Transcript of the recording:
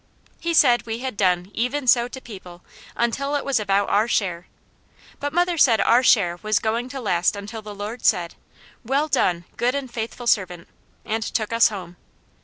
'" He said we had done "even so" to people until it was about our share, but mother said our share was going to last until the Lord said, "Well done, good and faithful servant," and took us home.